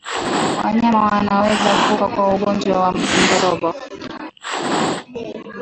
Wanyama wanaweza kufa kwa ugonjwa wa ndorobo